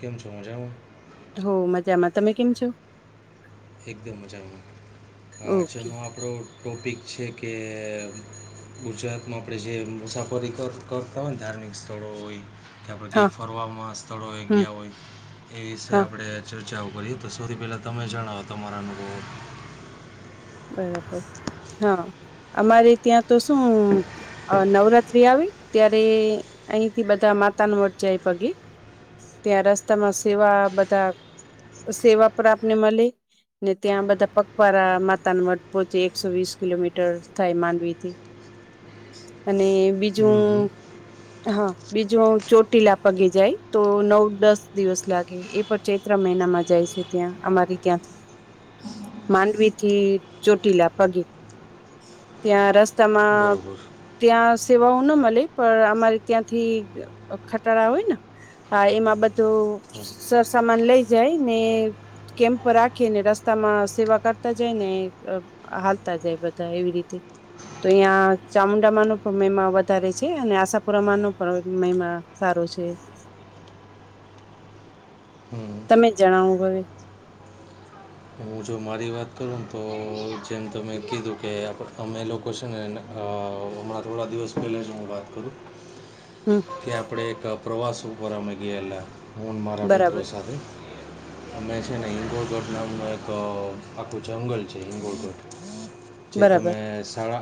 કેમસો મજા હોય હ મજામાં તમે કેમ છો. એકદમ મજામાં ઓકે જેનો આપણો ટોપિક છે કે ગુજરાતમાં આપણે જે મુસાફરી કરતા હોય ને ધાર્મિક સ્થળો હોય. કે આપણે હા કં ફરવામાં સ્થળોએ હમ ગયા હોય. એ વિષ હા આપણેે ચર્ચાઓ કરીએ તો સૌથી પહેલા તમે જણાવો તમારા અનુભવ બરાબર હા અમારે ત્યાં તો શું. અ નવરાત્રી આવે ત્યારે અહીથી બધા માતા ને મઠ જાય પગે ત્યાં રસ્તામાં સેવા બધા સેવા પ્રા આપને મળે ને ત્યાં બધા પગપળા માતાના મઠ પોહોચે એકસો વીસ કિલોમીટર થાય માંડવી થી અને હમ હમ બીજું. હા બીજું ચોટીલા પગી જાય તો નવ દસ દિવસ લાગે એ પર ચે ત્રણ મહિનામાં જાય છે ત્યાં અમારી ત્યાં [inaudible] માંડવી થી ચોટીલા પગે ત્યાં રસ્તામાં બરોબર ત્યાં સેવાઓ ના મળે પણ અમારે ત્યાંથી ખટાડા હોય ને હા એમાં બધું. હમ સરસામાન લઈ જાય ને કેમ્પ રાખીને રસ્તા માં સેવા કર તો જેય ને હાલતા જાય બધા એવી રીતે તો અહીં ચામુંડામાંનો પણ મહીમા વધારે છે અને આશાપુરામાંનો પણ મહીમા સારો છે. હમ તમે જણાવો હવે. હું જો મારી વાત કરું ને તો જેમ તમે કીધું કે આપ અમે લોકો છે ને એ ને હ હમણા થોડા દિવસ પહેલે જ હું વાત કરું હમ કે આપણે એક પ્રવાસ ઉપર અમે ગયેલા હું મારા મિત્રો બરાબર સાથે અમે છે ને હિંગોલગઢ નામનું એક આખું જંગલ છે હિંગોગઢ [unintelligible] જે બરાબર તમે સાળ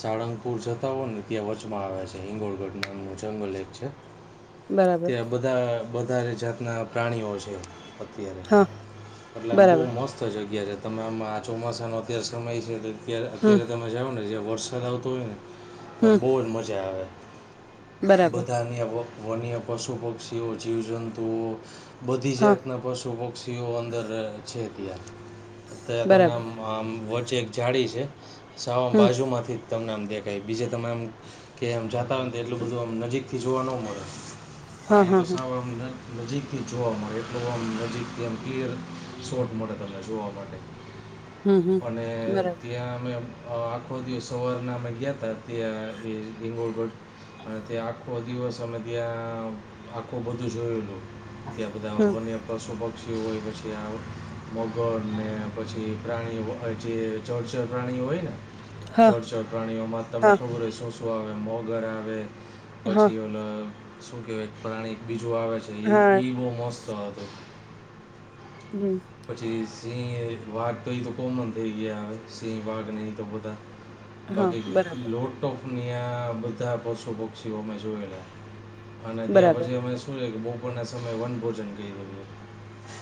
સાળંગપુર જતા હો ને ત્યાં વચમાં આવે છે હિંગોળગઢ ના અનુંજ જંગલે છે બરાબર ત્યાં બધા બારે જાતના પ્રાણીઓ છે. અત્યારે હા એટલે આમ બહુ બરાબર મસ્ત તો જગ્યા છે તમે આ આ ચોમાસાનો અત્યારે સમય છે તો અત્યારે હમ અત્યારે તમે મજા આવે ને જે વરસાદ આવતો હોય ને તો હમ બો જ મજા આવે બરાબર બધાન્ય વન્ય પશુ પક્ષીઓ જીવજંતુઓ બધી હા જાતના પશુ પક્ષીઓ અંદર છે ત્યાં ત્યાં તમને બરાબર આમ આમ વચ્ચે એક જાડી છે સાવમ હમ બાજુ માંથી તમને આમ દેખાય બીજે તમે આમ કે આમ જાતા હોય ને એટલું બધું આમ નજીક થી જોવા ન મળે હા પાહે હા તો હા સાવ આમ નજીકથી જ જોવા મળે એટલું આમ નજીકથી એમ કલીયર શોર્ટ મળે તમને જોવા માટે હમ હમ અને બરાબર ત્યાં અમે અ આખો દિવસ સવાર ના અમે ગયા તા [unintelligible] અને તે આખો દિવસ અમે ત્યાં આખું બધું જોયેલું ત્યા હમ બધા [unintelligible] પશુ પક્ષી હોય પછી આ મગર ને પછી પ્રાણીઓ જે જરચર પ્રાણીઓ હોય ને હા જરચર પ્રાણીઓમાં તમને હા ખબર હોય શું શું આવે મગર આવે હા પછી ઓલ શું કેવાય પ્રાણી એક બીજું આવે છે એ હા ઈ બહુ મસ્ત હતું હમ પછી સિંહ વાઘ તો ઈ તો કોમન થઈ ગયા હવે સિંહ વાઘ ને એ તો બધા હા બાકી બરાબર લોટોફની આ બધા પશુ પક્ષીઓ અમે જોયેલા અને ત્યાં બરાબર પછી અમે શું છે કે બપોરના સમયે વન ભોજન કઇરુ તું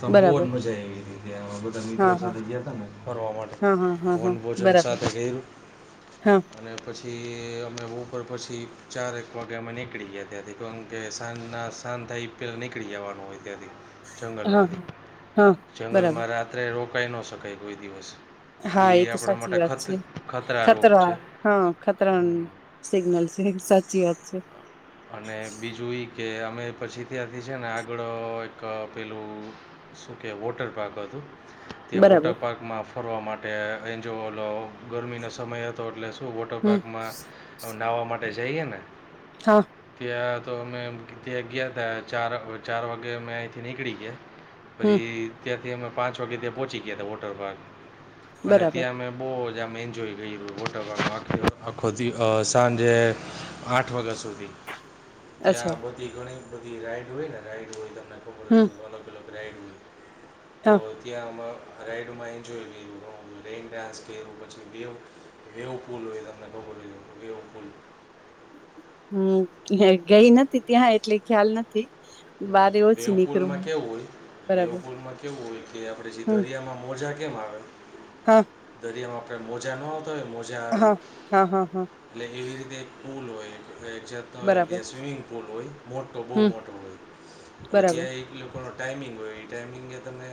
સંભોન બરાબર મજા આયવી તી ત્યાં બધા મિત્રો હા હા સાથે ગયા તા ને ફરવા માટે હા હા હા વન હા ભોજન બરાબર સાથે કયરુ હા અને પછી અમે બપોર પછી ચારૅક વાગ્યા અમે નીકળી ગયા ત્યાંથી કારણ કે સાંજના શાંત થાય એ પહેલા નીકળી જવાનું હોય ત્યાંથી હા જંગલમાંથી હા હા જંગલમાં બરાબર રાત્રે રોકાઈ ન શકાય કોઈ દિવસ હા ઈ એ તો આપડા સાચી માટે વાત ખત છે ખતરા રોપ છે હા ખતરા હમ. સિગ્નલ છે સાચી વાત છે અને બીજું ઈ કે અમે પછી ત્યાંથી છે ને આગળ એક પેલું શું કે વોટરપાર્ક હતું ત્યાં વોટર બરાબર પાર્કમાં ફરવા માટે એન્જોલો ગરમીનો સમય હતો એટલે શું વોટર હમ પાર્કમાં નાહવા માટે જઈએ ને હા ત્યાં તો મેં ત્યાં ગયા તા ચાર ચાર વાગે અમે અયથી નીકળી ગયા હમ પછી ત્યાંથી અમે પાંચ વાગે ત્યાં પહોંચી ગયા હતા વોટર પાર્ક અને બરાબર ત્યાં અમે બો જ આમ એન્જોય કયરુ વોટરપાર્કમાં આખો દિ અ સાંજે આઠ વાગ્યા સુધી ત્યાં અચ્છા બધી ઘણી બધી રાઈડ હોય ને રાઈડ હોય તમને હમ હોય તો અલગ અલગ રાઇડ ત ત્યાં અમ રાઈડમાં એન્જોય લીધું મેઇન ડાન્સ કર પછી બેવ બેવ પુલ હોય તમને ખબર હોઈ તો બેવ પુલ હમ ગઈ નથી ત્યાં એટલે ખ્યાલ નથી બા વેવ પુલ માં કેવું હોય વેવપુલ માં કેવું હોય કે આપડે જે હમ દરિયામાં મોજા કેમ આવે હા દરિયામાં આપડે મોજા ન આવતા હોય મોજા આવે હા હા હા હા એટલે એવી રીતે એક પુલ હોય જેમ એક બરાબર સ્વિમિંગ પુલ હોય મોટો બહુ હમ મોટો હોય એટલે બરાબર ત્યાં એ લોકોનો ટાઈમિંગ હોય એ ટાઈમિંગ તમે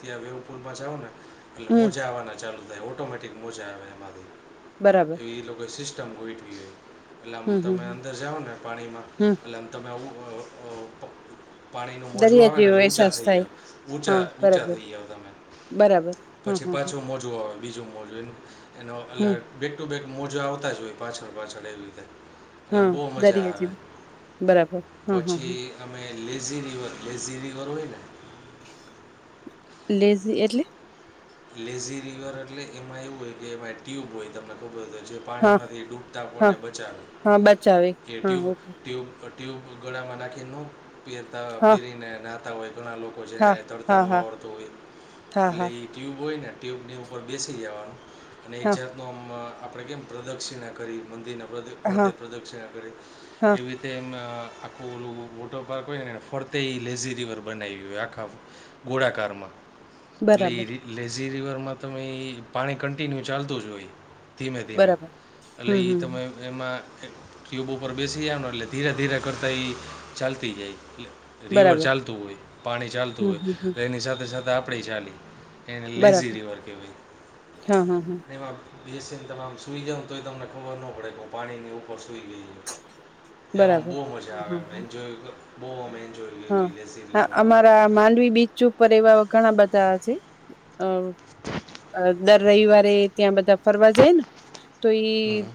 ત્યાં વેવપુલમાં જાઓ ને એટલે હમ મોજા આવાના ચાલુ થાય ઓટોમેટિક મોજા આવે એમાં બરાબર એ લોકો એ સીસ્ટમ ગોઠવી હોય એટલે હમ તમે હમ અંદર જાઓને પાણીમાં હમ એટલે આમ તમે આવું અ અ પાણીનું મોજું દરિયા આવે ને જેવો એટલે ઊંચા અહેસાસ થઈ થાય જાઓ ઊંચા હા ઊંચા બરાબર થઈ જાવ તમે બરાબર હમ્મ હમ્મ હમ્મ જૂઓ હવે બીજું મોજું એને એનો એટલે હમ બેક ટુ બેક મોજા આવતા જ હોય પાછળ પાછળ એવી રીતે એટલે હા બહુ મજા દરિયા આવે જેવું બરાબર હા હા હા પછી અમે લેઝી રિવર લેઝી રિવર હોય ને લેઝી એટલે લેઝી રિવર એટલે એમાં એવું હોય કે એમાં ટ્યુબ હોય તમને ખબર હોય તો જે હા પાણીમાંથી ડૂબતા કોને હા બચાવે હા બચાવે કે હા ટ્યુબ ઓકે ટ્યુબ ટ્યુબ ગળામાં નાખી નો પહેરતા હા પહેરીને નાહતા હોય ઘણા લોકો લોકો છે ને હા તડતા હા નો હા આવડ તું હોય હા હા એટલે ટ્યુબ હોય ને ટ્યુબની ઉપર બેસી જવાનું અને એક હા જાત નું આમ આપણે કેમ પ્રદક્ષિણા કરી મંદિરના ફરતે હા પ્રદક્ષિણા કરી હા એવી તેમ આખું ઓલું વોટર પાર્ક હોય ને ફરતે લેઝી રિવર બનાવ્યું હોય આખા ગોળાકારમાં એટલે બરાબર એ લેઝી રિવરમાં તમે એ પાણી કન્ટિન્યુ ચાલતું જ હોય ધીમે ધીમે બરાબર એટલે હમ એ હમ તમે એમાં એ ક્યુબ ઉપર બેસી જાઓ ને એટલે ધીરે ધીરે કરતાં એ ચાલતી જાય એટલે રિવર બરાબર ચાલતું હોય પાણી ચાલતું હમ હમ હમ હોય એની સાથે સાથે આપણે ચાલી એ લેઝી બરાબર રિવર કેવાય હા હા હા તેમાં એસીને તમામ સુઈ જાઓ તોય તમને ખબર ન પડે હું પાણીની ઉપર સૂઈ ગઈ એવામાં બરાબર બહું મજા હા આવે હા એમ એન્જોય બઉ એજોય હા વિદેશી હા અમારા માંડવી બીચ ઉપર એવા ઘણા બધા છે અ અ દર રવિવારે ત્યાં બધા ફરવા જાય ને તો એ હં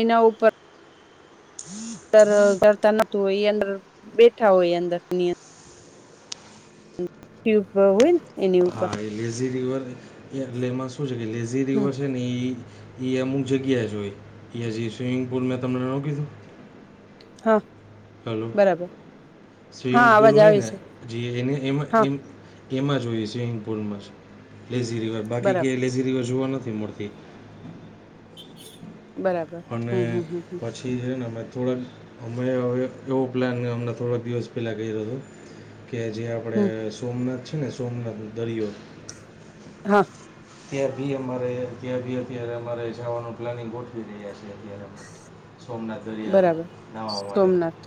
એના ઉપર અતાર કરતા નતું હોય એ અંદર બેઠા હોય એ અંદર ની અ અન ટ્યુબ હોય ન હા એ લેઝી રિવર એ એટલે એમાં શું છે કે લેઝી હમ રિવર છે ને ઈ એ અમુક જગ્યાએ જ હોય એ હજી સ્વિમિંગ પુલ મેં તમને ન કીધું હા. હલો બરાબર હા સ્વિમિંગ પુલ અવાજ હોય આવે ને છે જી એને એમાં હા એમ એમાં જોઈએ સ્વિમિંગ પુલમાં જ લેઝી રિવર બાકી કે બરાબર લેઝી રિવર જોવા નથી મળતી બરાબર. પણ હમ મેં હમ હમ હમ પછી થી જોયું ને અમે થોડાક અમે હવે એવો પ્લાન અમને થોડાક દિવસ પહેલાં કયો તો કે જે આપડે હમ સોમનાથ છે ને સોમનાથ દરિયો હા. ત્યાં ભી અમારે ત્યાં ભી અત્યારે અમારે જવાનું પ્લાનિંગ ગોઠવી રહ્યા છે અત્યારે સોમનાથ દરિયામાં બરાબર નાવા માટે સોમનાથ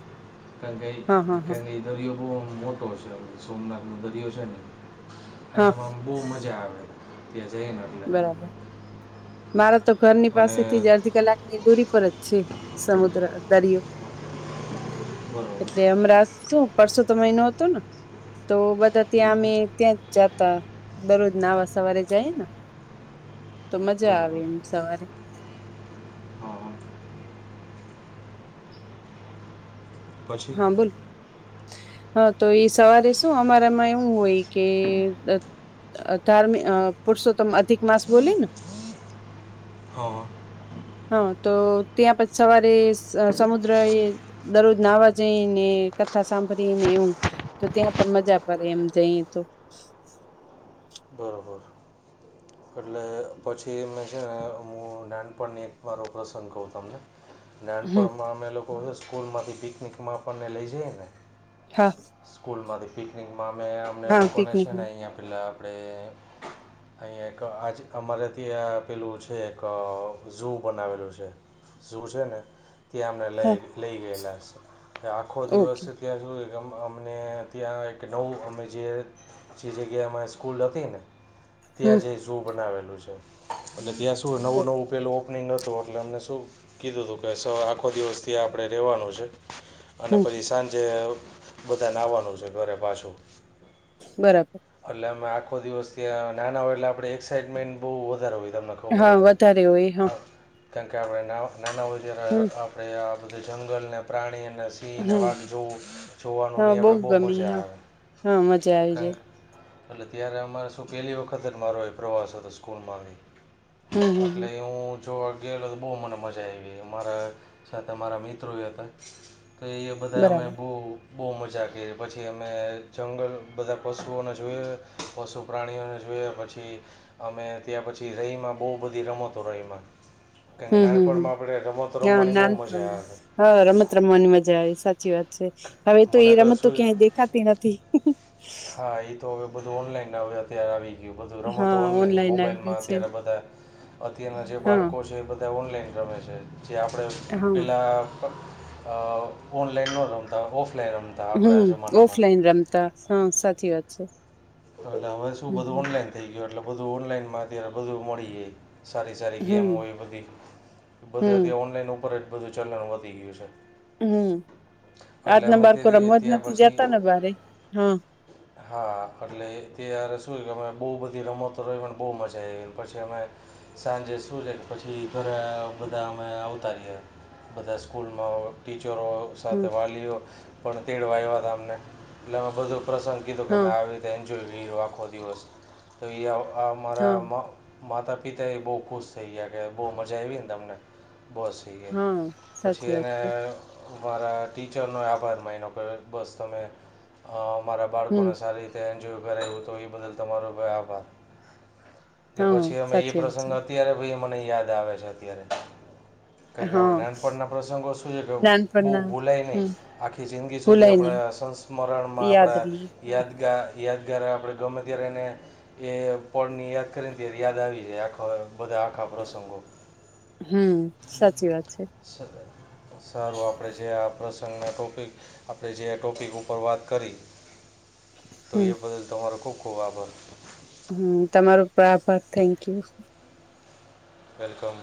કારણ કે ઈ હા હા હા ત્યાંની દરિયો બહુ આમ મોટો છે સોમનાથ નો દરિયો છે ને અને હા આમાં બહુ મજા આવે ત્યાં જઈને એટલે બરાબર મારા તો ઘરની અને પાસેથી જ અડધી કલાકની દૂરી પર જ છે સમુદ્ર દરિયો બરાબર એટલે હમરાજ શું પરસો તો મહિનો હતો ને તો બધા હં હં ત્યાં અમે ત્યાં જ જાતા દરરોજ નાવા સવારે જાય ને તો મજા બરાબર આવે એમ સવારે હં હં પછી હા બોલ. હા તો એ સવારે શું અમારામાં એવું હોય કે ધાર્મિક પુરુષોત્તમ અધિક માસ બોલી ને હ હા તો ત્યાં પછી સવારે સમુદ્ર એ દરરોજ નાવા જઈ ને કથા સાંભળી ને એવું તો ત્યાં આપણ મજા પડે એમ જઈએ તો બરાબર એટલે પછી મેં છે ને હું નાનપણની એક મારો પ્રસંગ કહું તમને હમ નાનપણમાં અમે લોકો સ્કૂલ માંથી પિકનિકમાં આપણને લઈ જઈ ને હા સ્કૂલમાંથી પિકનિકમાં અમે અમને હા લોકોને પિકનિક છે ને અહિયાં પેલા આપણે અહીંયા એક આ જ અમારે ત્યાં આપેલું છે એક ઝુ બનાવેલું છે ઝુ છે ને ત્યાં અમને હા લઈ લઈ ગયેલા છે અને આખો દિવસ ઓકે ત્યાં શું એક અમને ત્યાં એક નવું અમે જે જે જગ્યામાં સ્કૂલ હતી ને હમ ત્યાં જ ઝુ બનાવેલું છે એટલે ત્યાં શું નવું નવું પેલું ઓપનિંગ હતું. એટલે અમને શું કીધું હતું કે આખો દિવસથી આપણે રેવાનું છે. અને હમ પછી સાંજે બધાને આવવાનું છે ઘરે પાછું બરાબર એટલે અમે આખો દિવસ ત્યાં નાના હોય એટલે આપડે એક્સાાઈટમેન્ટ બહુ વધારે હોય તમને હા વધારે હોય હા કેમ કે આપણે નાના હોય ત્યારે હમ આપણે આ બધે જંગલને પ્રાણી અને ને હમ વાઘ જોઉ જોવાનું હા નહી આપડે બહુ ગમી મજા હા આવે. હા મજા આવી જાય. કારણ એટલે ત્યારે અમારે શું પહેલી વખત જ મારો એ પ્રવાસ હતો સ્કૂલમાં હમ હમ એટલે હમ [inaudible] જોવા ગયેલો તો બહુ મને મજા આવી મારા સાથે મારા મિત્રો એ હતા તો એ બધા અમે બરાબર બહુ બહુ મજા કરી પછી અમે જંગલ બધા પશુઓને જોઈ પશુ પ્રાણીઓને જોયા પછી અમે ત્યાં પછી રહીમાં બહુ બધી રમતો રહીમાં કેમ કે હમ હમ હમ નાનપણમાં આપણે રમતો હા રમવાની બહુ મજા નાનપણમાં આવે. હા રમત રમવાની મજા આવે સાચી વાત છે હવે તો મને એ રમત તો શું ક્યાંય દેખાતી નથી. [inaudible] હા એ તો હવે બધું ઓન લાઈન [inaudible] આવી ગયું બધું રમતો હા ઓનલાઈન આવી મોબાઈલમાં ગયું છે અત્યારે બધા અત્યારના જે હા બાળકો છે બ ઓનલાઈન રમે છે જે આપણે હા પેલા અ ઓનલાઈન નો રમતા ઓફલાઇન રમ હમ ઓફલાઈન રમતા સાવ સાચી વાત છે. એટલે હવે શું બધું હમ ઓનલાઈન થઈ ગયુ એટલે બધું ઓનલાઈન માં અત્યારે બધું મળી જાય. સારી સારી ગેમો હમ હોય બધી બધી હમ અત્યારે ઓનલાઈન ઉપર જ બધું ચલન વધી ગયું છે. હમ એટલે આજના અમે બાળકો તેથી રમવા જ ત્યાં નથી પછી જતા ને બારે હા હા એટલે ત્યારે શું કે અમે બહુ બધી રમતો રમીને બહુ મજા આવી પછી અમે સાંજે સુું છે પછી ઘરે બધા અમે આવતા રયા. બધા સ્કૂલમાં ટીચરો હમ સાથે વાલીઓ પણ તેડવા આવ્યા તા અમને એટલે મે બધું પ્રસંગ કીધું કે હા અમે આવી એન્જોય રયો આખો દિવસ તો એ અમ હા અમારા માતા પિતા એ બહુ ખુશ થઈ ગયા કે બહુ મજા આવી ને તમને બસ હા પછી સાચી વાત એને છે મારા ટીચરનો આભાર માનનો કે બસ તમે મારા હમ બાળકોને સારી એન્જોય કરાયું તો એ બદલ તમારો ભાઈ આભાર એટલે હા પછી અમે એ સાચી વાત પ્રસંગ છે અત્યારે બી મને યાદ આવે છે અત્યારે કારણ કે હા આપણે નાનપણના પ્રસંગો શું છે કે બહુ નાનપણના ભૂલાય નય હમ આખી જિંદગી સુધી ભૂલાય આપણે નહી સંસ્મરણમાં યાદ આપણે રહી યાદ યાગા યાદગાર આપણે ગમે ત્યારે એને એ પળની યાદ કરીને ત યાદ આવી જાય આખા બધા આખા પ્રસંગો હમ સાચી વાત છે. સ સારું આપણે છે આપ પ્રસંગના ટોપિક આપણે જે ટોપિક ઉપર વાત કરી તો હમ એ બદલ તમારો ખુબ ખુબ આભાર. હમ તમારો પણ આભાર થેન્ક યુ. વેલકમ.